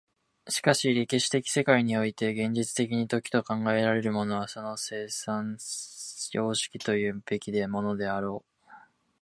しかし歴史的世界において現実的に時と考えられるものはその生産様式というべきものであろう。